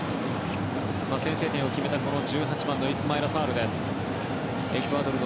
先制点を決めた１８番イスマイラ・サール。